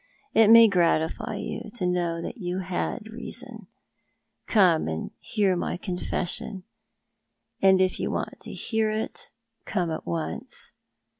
It may gratify you to know that you had reason. Come and hear my confession, and if you want to hear it come at once.